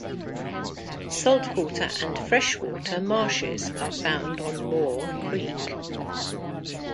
Saltwater and freshwater marshes are found on Moore Creek.